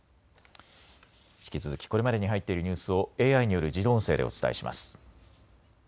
引き続きこれまでに入っているニュースをＡＩによる自動音声でお伝えします。